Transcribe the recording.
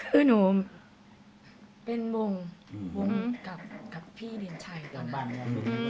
คือหนูเป็นวงวงกับพี่เดียนชัยตอนนั้น